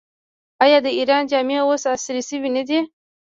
آیا د ایران جامې اوس عصري شوې نه دي؟